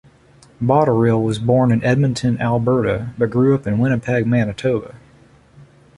Botterill was born in Edmonton, Alberta, but grew up in Winnipeg, Manitoba.